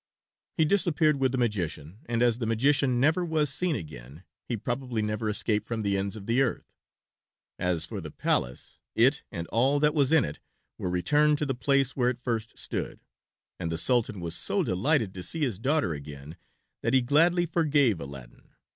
He disappeared with the magician, and as the magician never was seen again he probably never escaped from the ends of the earth. As for the palace it and all that was in it were returned to the place where it first stood, and the Sultan was so delighted to see his daughter again that he gladly forgave Aladdin.